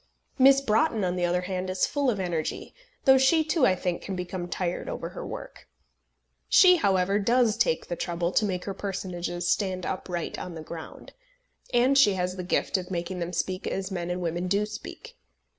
Miss Broughton, on the other hand, is full of energy, though she too, I think, can become tired over her work. She, however, does take the trouble to make her personages stand upright on the ground. And she has the gift of making them speak as men and women do speak.